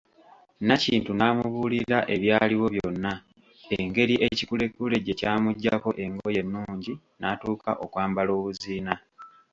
Nakintu n'amubuulira ebyaliwo byonna; engeri ekikulekule gye kyamuggyako engoye ennungi n'atuuka okwambala obuziina.